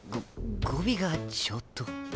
語尾がちょっと。